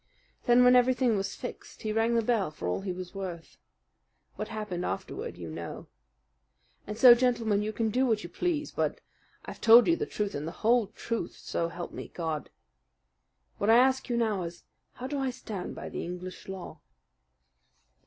Then, when everything was fixed, he rang the bell for all he was worth. What happened afterward you know. And so, gentlemen, you can do what you please; but I've told you the truth and the whole truth, so help me God! What I ask you now is how do I stand by the English law?"